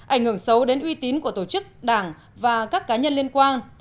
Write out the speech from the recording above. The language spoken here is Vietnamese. ảnh hưởng xấu đến uy tín của tổ chức đảng và các cá nhân liên quan